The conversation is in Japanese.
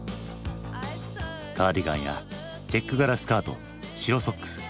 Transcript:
カーディガンやチェック柄スカート白ソックス。